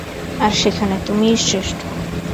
আর সেখানে, তুমিই শ্রেষ্ঠ।